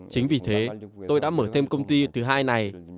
chính vì thế tôi đã mở thêm công ty thứ hai này